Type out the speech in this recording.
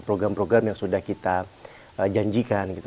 program program yang sudah kita janjikan gitu